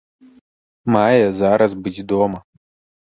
Мае зараз быць дома.